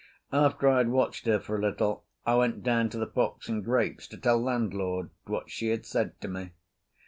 After I had watched her for a little I went down to the "Fox and Grapes" to tell landlord what she had said to me.